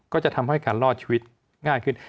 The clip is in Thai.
ก็จะทำให้การรอดชีวิตง่ายขึ้น